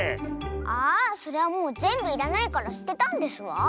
ああそれはもうぜんぶいらないからすてたんですわ。